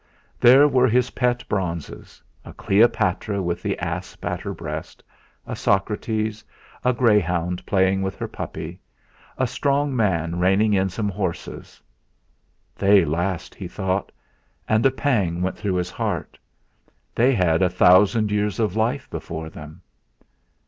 There were his pet bronzes a Cleopatra with the asp at her breast; a Socrates; a greyhound playing with her puppy; a strong man reining in some horses. '.hey last!' he thought, and a pang went through his heart. They had a thousand years of life before them!